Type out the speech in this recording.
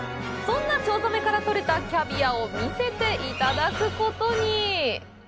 そんなチョウザメからとれたキャビアを見せていただくことに。